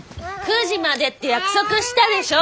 ９時までって約束したでしょ。